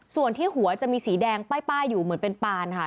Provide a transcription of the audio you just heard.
ส่วนที่หัวจะมีสีแดงป้ายอยู่เหมือนเป็นปานค่ะ